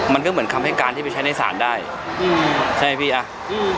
มันก็เหมือนคำให้การที่ไปใช้ในศาลได้อืมใช่ไหมพี่อ่ะอืม